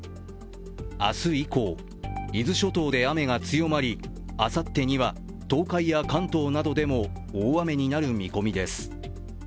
明日以降、伊豆諸島で雨が強まりあさってには東海や関東などでも大雨になる見込みです。